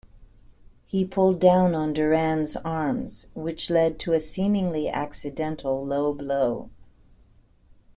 He pulled down on Duran's arms, which led to a seemingly accidental low blow.